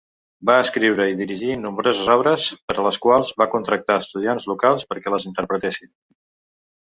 Va escriure i dirigir nombroses obres, per a les quals va contractar estudiants locals perquè les interpretessin.